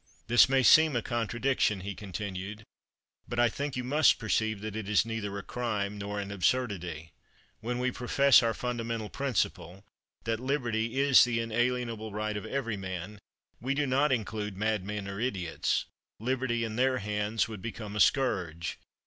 'This may seem a contradiction,' he continued, 'but I think you must perceive that it is neither a crime nor an absurdity. When we profess, as our fundamental principle, that liberty is the inalienable right of every man, we do not include madmen or idiots; liberty in their hands would become a scourge.